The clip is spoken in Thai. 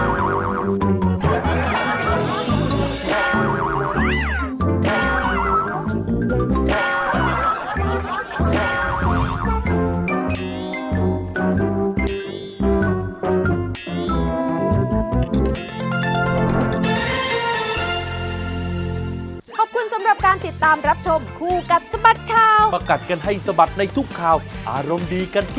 วันนี้พวกเรา๒คนลาไปก่อนแล้ว